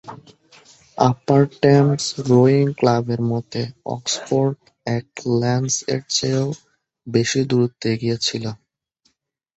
আপার Thames rowing ক্লাবের মতে, Oxford এক লেন্থ-এর চেয়েও বেশি দুরত্বে এগিয়ে ছিল।